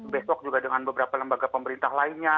besok juga dengan beberapa lembaga pemerintah lainnya